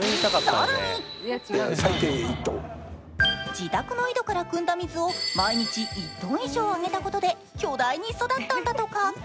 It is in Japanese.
自宅の井戸からくんだ水を毎日１ｔ以上あげたことで、巨大に育ったんだとか。